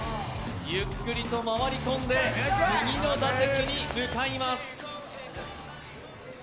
ゆっくりと回り込んで、右の打席に向かいます。